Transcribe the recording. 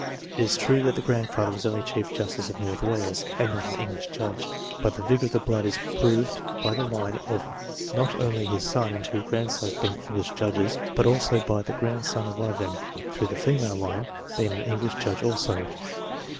It is true that the grandfather was only Chief Justice of North Wales, and not an English judge, but the vigour of the blood is proved by the line of not only his son and two grandsons being English judges, but also by the grandson of one of them, through the female line, being an English judge also.